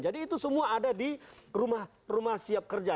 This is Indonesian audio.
jadi itu semua ada di rumah siap kerja